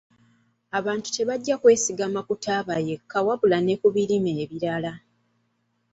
Abantu tebajja kwesigama ku taaba yekka wabula ne ku birime ebirala.